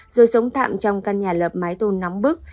rồi sống tạm trong căn nhà lập mái tôn nóng bức